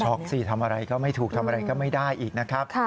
สิทำอะไรก็ไม่ถูกทำอะไรก็ไม่ได้อีกนะครับ